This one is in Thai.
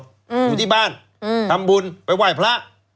อยู่ที่บ้านอืมทำบุญไปไหว้พระ